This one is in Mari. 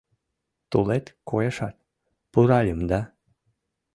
Тулет коешат — пуральым да